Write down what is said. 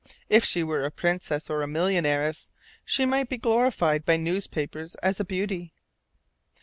If she were a princess or a millionairess, she might be glorified by newspapers as a beauty.